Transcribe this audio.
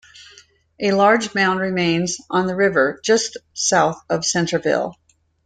A large mound remains on the river, just south of Centerville.